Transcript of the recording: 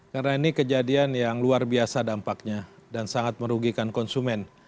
karena ini kejadian yang luar biasa dampaknya dan sangat merugikan konsumen